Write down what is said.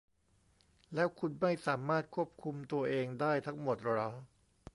แล้วคุณไม่สามารถควบคุมตัวเองได้ทั้งหมดหรอ ?